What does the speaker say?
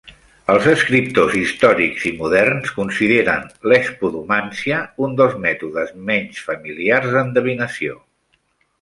Els escriptors històrics i moderns consideren l'espodomància un dels mètodes menys familiars d'endevinació.